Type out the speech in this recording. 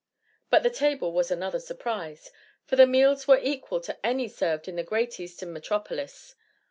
But the table was another surprise, for the meals were equal to any served in the great Eastern metropolis.